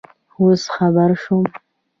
اوس خبر شوم